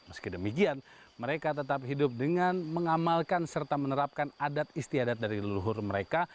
meski demikian mereka tetap hidup dengan mengamalkan serta menerapkan adat istiadat dari leluhur mereka